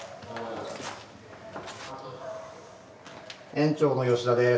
園長の吉田です。